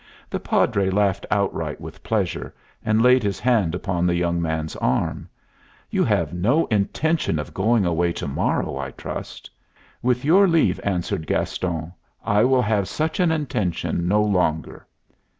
The Padre laughed outright with pleasure and laid his hand upon the young man's arm. "You have no intention of going away to morrow, I trust?" "With your leave," answered Gaston, "I will have such an intention no longer."